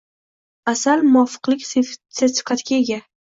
Asal muvofiklik sertifikatiga ega